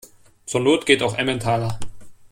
Zur Not geht auch Emmentaler.